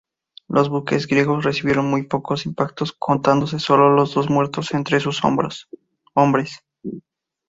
Los buques griegos recibieron muy pocos impactos, contándose solo dos muertos entre sus hombres.